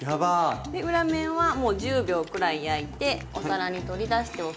で裏面はもう１０秒くらい焼いてお皿に取り出しておきます。